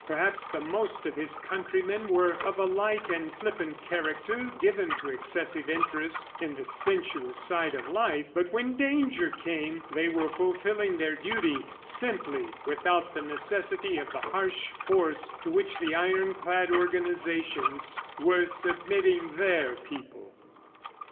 Perhaps the most of his countrymen were of a light and flippant character, given to excessive interest in the sensuous side of life; but when danger came they were fulfilling their duty simply, without the necessity of the harsh force to which the iron clad organizations were submitting their people.